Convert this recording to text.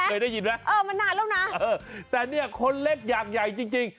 เคยได้ยินไหมเออมานานแล้วนะเออแต่เนี่ยคนเล็กอยากใหญ่จริง